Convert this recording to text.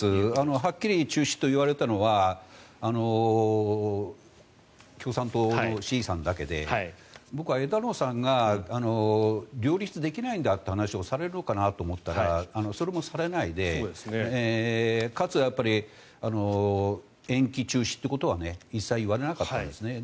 はっきり中止といわれたのは共産党の志位さんだけで僕は枝野さんが両立できないんだっていう話をされるのかと思ったらそれもされないでかつ、延期・中止ということは一切言われなかったんですね。